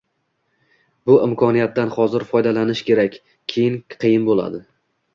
Bu imkoniyatdan hozir foydalanish kerak, keyin qiyin bo‘ladi.